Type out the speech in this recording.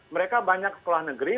mereka banyak sekolah negeri